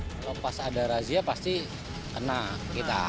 kalau pas ada razia pasti kena kita